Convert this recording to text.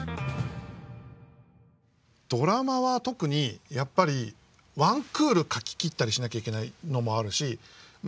ドラマは特にやっぱりワンクール書き切ったりしなきゃいけないのもあるし。